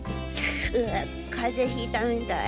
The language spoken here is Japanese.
うう風邪ひいたみたい。